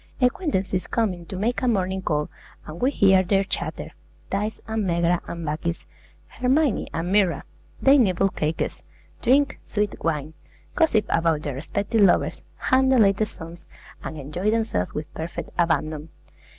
Acquaintances come in to make a morning call, and we hear their chatter, Thaïs and Megara and Bacchis, Hermione and Myrrha. They nibble cakes, drink sweet wine, gossip about their respective lovers, hum the latest songs, and enjoy themselves with perfect abandon.